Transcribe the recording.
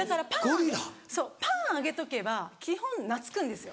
そうパンあげとけば基本懐くんですよ。